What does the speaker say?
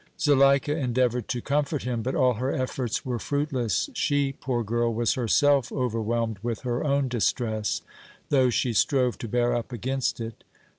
Zuleika endeavored to comfort him, but all her efforts were fruitless. She, poor girl, was herself overwhelmed with her own distress, though she strove to bear up against it.